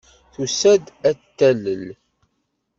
Tusa-d ad t-talel.